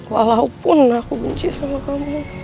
walaupun aku benci sama kamu